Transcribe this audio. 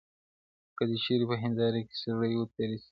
• که دي چیري په هنیداري کي سړی و تېرایستلی,